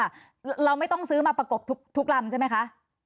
เราไม่ต้องซื้อมาประกบทุกลำใช่ไหมคะ